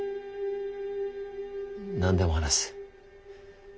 何でも話す。